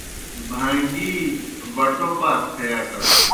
بھاݩگیْ بَٹَو پاک تھے اٹہ۔